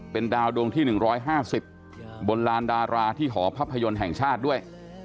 เป็นดาวดวงที่๑๕๐บนลานดาราที่หอภาพยนตร์แห่งชาติด้วย